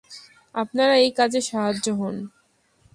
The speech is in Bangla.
আপনারা এ কাজে সহায় হোন।